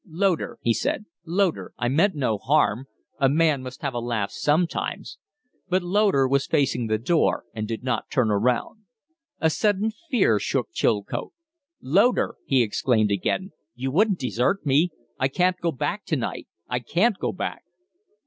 "Loder!" he said. "Loder! I meant no harm. A man must have a laugh sometimes." But Loder was facing the door and did not turn round. A sudden fear shook Chilcote. "Loder!" he exclaimed again, "you wouldn't desert me? I can't go back to night. I can't go back."